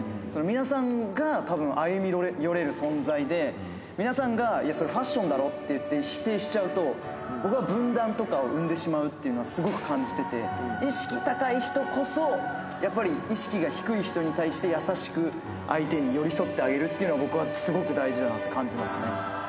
皆さんが、たぶん歩み寄れる存在で、皆さんがそれ、ファッションだろって否定しちゃうと、僕は分断とかを生んでしまうというのはすごく感じてて、意識高い人こそ、やっぱり意識が低い人に対して優しく、相手に寄り添ってあげるっていうのが、僕はすごく大事だなって感じますね。